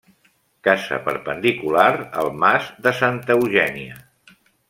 Casa perpendicular al mas de Santa Eugènia.